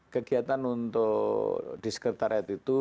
kegiatan untuk di sekretariat itu